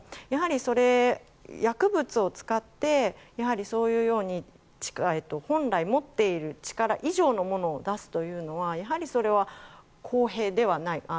やはり、薬物を使ってそういうように本来持っている力以上のものを出すというのはそれは公平ではない。